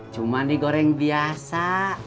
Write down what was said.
cuman digoreng biasa